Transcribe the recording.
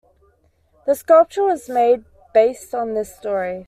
The sculpture was made based on this story.